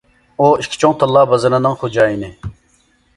ئۇ ئىككى چوڭ تاللا بازىرىنىڭ خوجايىنى.